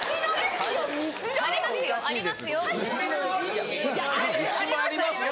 うちもありますよ